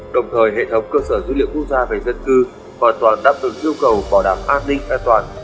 đồng thời hệ thống cơ sở dữ liệu quốc gia về dân cư hoàn toàn đáp ứng yêu cầu bảo đảm an ninh an toàn